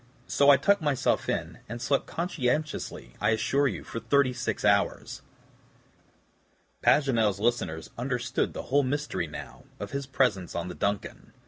So I tucked myself in, and slept conscientiously, I assure you, for thirty six hours." Paganel's listeners understood the whole mystery, now, of his presence on the DUNCAN.